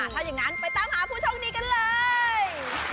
ถ้าอย่างนั้นไปตามหาผู้โชคดีกันเลย